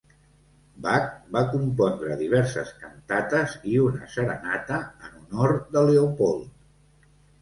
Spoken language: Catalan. Bach va compondre diverses cantates i una serenata en honor de Leopold.